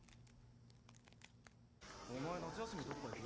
お前夏休みどっか行く？